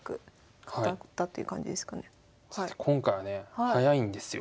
今回はね早いんですよ。